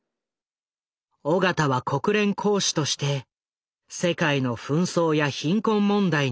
緒方は国連公使として世界の紛争や貧困問題に取り組んでいた。